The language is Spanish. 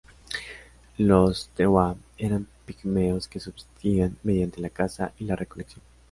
Los twa eran pigmeos que subsistían mediante la caza y la recolección.